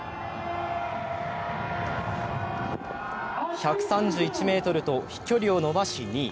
１３１ｍと飛距離を伸ばし２位。